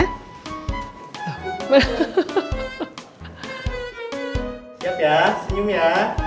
siap ya senyum ya